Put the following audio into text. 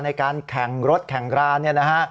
ในการแข่งรถแข่งร้านเนี่ยนะฮะ